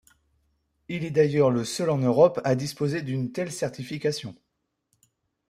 Il est d’ailleurs le seul en Europe à disposer d’une telle certification.